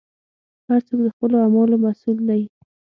هر څوک د خپلو اعمالو مسوول دی.